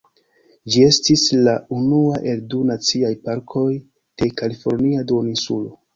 Ĝi estis la unua el du naciaj parkoj de Kalifornia Duoninsulo.